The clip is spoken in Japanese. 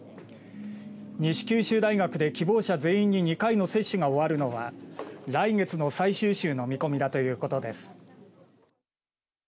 西九州大学で希望者全員に２回の接種が終わるのは来月の最終週の見込みだということです。